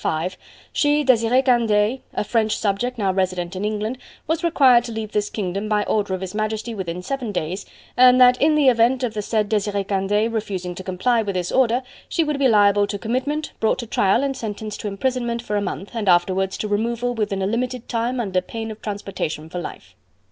5, she, Desiree Candeille, a French subject now resident in England, was required to leave this kingdom by order of His Majesty within seven days, and that in the event of the said Desiree Candeille refusing to comply with this order, she would be liable to commitment, brought to trial and sentenced to imprisonment for a month, and afterwards to removal within a limited time under pain of transportation for life.